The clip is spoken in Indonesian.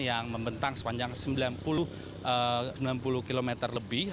yang membentang sepanjang sembilan puluh km lebih